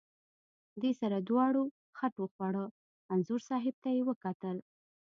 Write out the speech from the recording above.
دې سره دواړو خټ وخوړه، انځور صاحب ته یې وکتل.